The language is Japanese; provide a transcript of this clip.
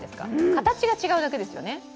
形が違うだけですよね。